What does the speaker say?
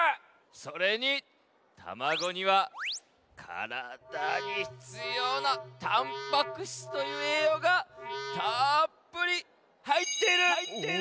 それにたまごにはからだにひつような「タンパク質」というえいようがたっぷりはいっている！